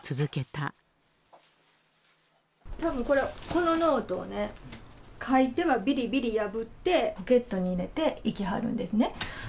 たぶんこれ、このノートをね、書いてはびりびり破って、ポケットに入れて行きはるんですね。